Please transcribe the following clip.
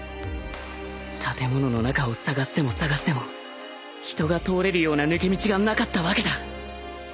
建物の中を探しても探しても人が通れるような抜け道がなかったわけだ